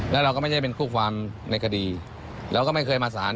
แล้วเราก็ไม่ได้เป็นคู่ความในคดีเราก็ไม่เคยมาสาร